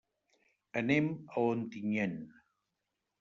Anem a Ontinyent.